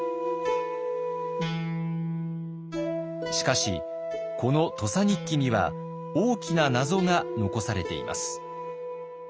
しかしこの「土佐日記」には大きな謎が残されています。